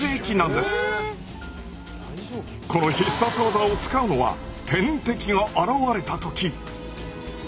この必殺技を使うのは天敵が現れた時。